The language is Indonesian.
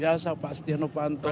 biasa pak setia novanto